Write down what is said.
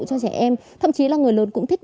cho trẻ em thậm chí là người lớn cũng thích